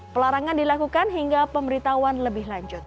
pelarangan dilakukan hingga pemberitahuan lebih lanjut